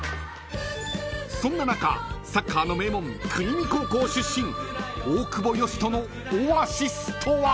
［そんな中サッカーの名門国見高校出身大久保嘉人のオアシスとは？］